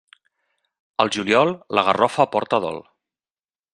Al juliol, la garrofa porta dol.